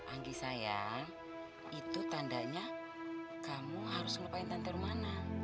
anggi sayang itu tandanya kamu harus ngelupain tante rumana